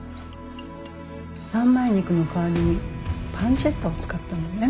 三枚肉の代わりにパンチェッタを使ったのね。